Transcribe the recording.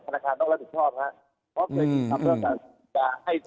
ธนาคารต้องรับผิดชอบครับเพราะเกิดมีความรับผิดชอบ